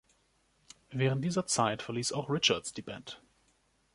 Während dieser Zeit verließ auch Richards die Band.